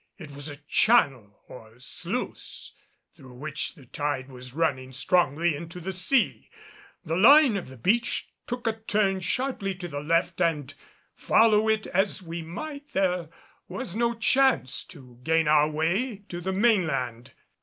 It was a channel or sluice, through which the tide was running strongly into the sea. The line of the beach took a turn sharply to the left and follow it as we might there was no chance to gain our way to the mainland.